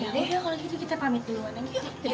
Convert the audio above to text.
ya udah kalo gitu kita pamit dulu